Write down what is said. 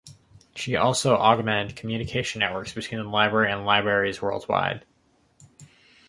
She also augmented communication networks between the library and libraries worldwide.